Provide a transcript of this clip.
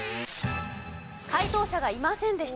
解答者がいませんでした。